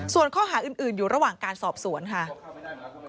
ส่วนข้อหาอื่นอยู่ระหว่างการสอบสวนค่ะ